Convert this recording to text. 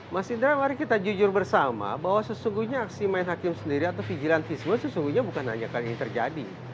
mas indra mari kita jujur bersama bahwa sesungguhnya aksi main hakim sendiri atau fijilantisme sesungguhnya bukan hanya kali ini terjadi